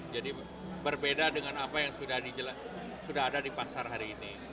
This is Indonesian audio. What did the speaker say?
jadi berbeda dengan apa yang sudah ada di pasar hari ini